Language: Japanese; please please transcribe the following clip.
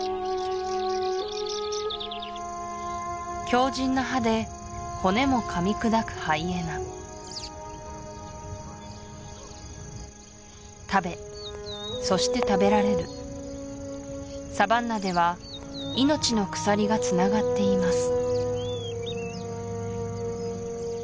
強じんな歯で骨も噛み砕くハイエナ食べそして食べられるサバンナでは命の鎖がつながっています